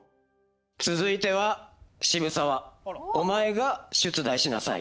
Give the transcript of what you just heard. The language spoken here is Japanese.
続いては渋沢お前が出題しなさい。